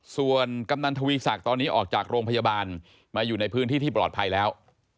ส่วนกำนันทวีศักดิ์ตอนนี้ออกจากโรงพยาบาลมาอยู่ในพื้นที่ที่ปลอดภัยแล้ว